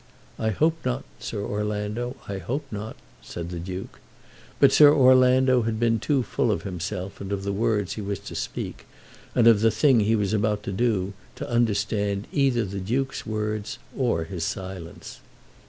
"I hope not, Sir Orlando; I hope not," said the Duke. But Sir Orlando had been too full of himself and of the words he was to speak, and of the thing he was about to do, to understand either the Duke's words or his silence.